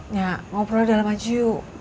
nya ngobrol di dalam aja yuk